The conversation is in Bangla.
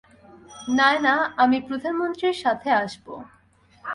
নায়না, আমি প্রধানমন্ত্রীর সাথে আসবো।